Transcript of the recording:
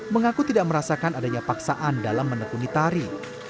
mengaku tidak merasakan adanya paksaan dalam menekuni tari